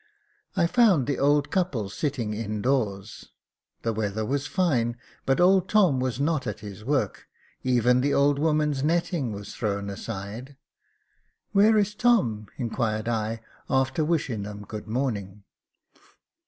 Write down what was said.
I found the old couple sitting indoors ; the weather was fine, but old Tom was not at his work ; even the old woman's netting was thrown aside. " Where is Tom ?" inquired I, after wishing them good morning.